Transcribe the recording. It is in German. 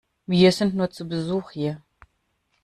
Wir sind nur zu Besuch hier.